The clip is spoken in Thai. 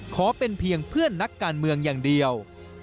ขอเป็นเพียงเพื่อนนักการเมืองอย่างเดียว